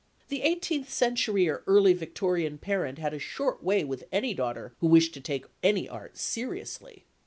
The eighteenth century or early Victorian parent had a short way with any daughter who wished to take any art seriously.